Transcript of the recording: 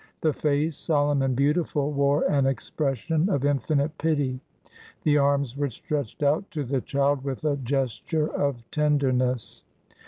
The face, solemn and beautiful, wore an expression of infinite pity; the arms were stretched out to the child with a gesture of tenderness.